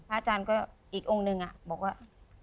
พระอาจารย์ก็อีกองค์หนึ่งอะบอกว่า